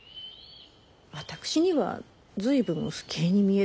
私には随分不敬に見えるけれど。